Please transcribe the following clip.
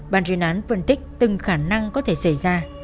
bàn riêng án phân tích từng khả năng có thể xảy ra